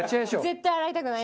絶対洗いたくない。